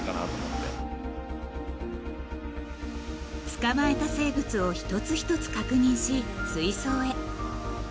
［捕まえた生物を一つ一つ確認し水槽へ］